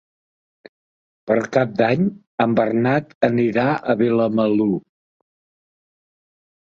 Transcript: Per Cap d'Any en Bernat anirà a Vilamalur.